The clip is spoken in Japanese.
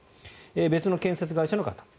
別の建設会社の方。